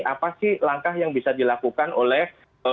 apasih langkah yang bisa dilakukan oleh